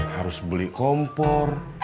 harus beli kompor